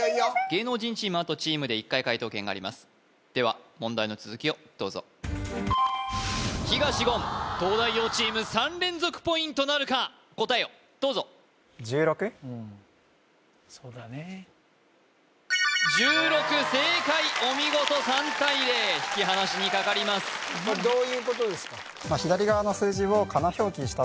芸能人チームあとチームで１回解答権がありますでは問題の続きをどうぞ東言東大王チーム３連続ポイントなるか答えをどうぞそうだね１６正解お見事３対０引き離しにかかりますどういうことですか？